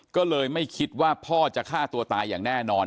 ก็เลยไม่คิดว่าพ่อจะฆ่าตัวตายอย่างแน่นอน